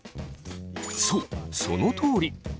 そうそのとおり。